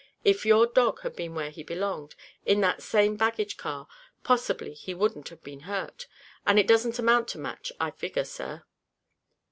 If your dog had been where he belonged, in that same baggage car, possibly he wouldn't have been hurt. And it doesn't amount to much, I figure, sir."